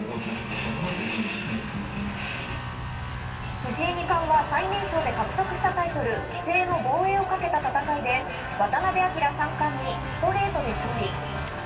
藤井二冠は最年少で獲得したタイトル棋聖の防衛をかけた戦いで、渡辺明三冠にストレートで勝利。